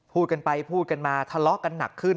พูดกันไปพูดกันมาทะเลาะกันหนักขึ้น